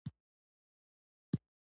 د تخار په چاه اب کې د سرو زرو لوی کان دی.